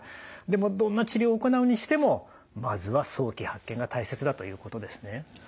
でもどんな治療を行うにしてもまずは早期発見が大切だということですね。